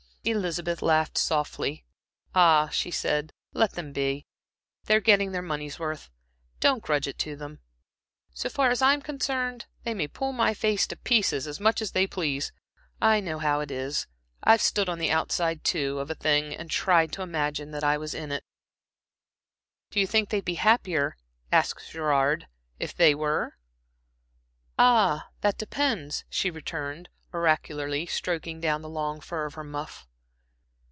Elizabeth laughed softly. "Ah," she said "let them be. They're getting their money's worth; don't grudge it to them. So far as I'm concerned, they may pull my face to pieces as much as they please. I know how it is I've stood on the outside, too, of a thing, and tried to imagine that I was in it." "Do you think they'd be happier," asked Gerard, "if they were?" "Ah, that depends," she returned, oracularly, stroking down the long fur of her muff.